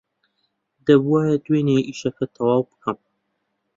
دەبووایە دوێنێ ئیشەکە تەواو بکەم.